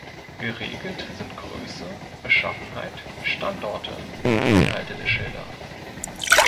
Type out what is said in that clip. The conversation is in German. Geregelt sind Größe, Beschaffenheit, Standorte und Inhalte der Schilder.